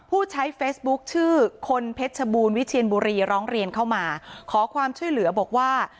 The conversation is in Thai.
ผู้ใช้เฟซบุ๊คชื่อคนเพชรชบูรณวิเชียนบุรีร้องเรียนเข้ามาขอความช่วยเหลือบอกว่า